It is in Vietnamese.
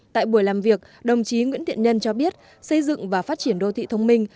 tại buổi làm việc đồng chí nguyễn thiện nhân cho biết xây dựng và phát triển đô thị thông minh